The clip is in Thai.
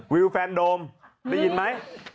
วิวแฟนโดมได้ยินไหม